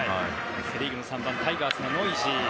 セ・リーグの３番タイガースのノイジー。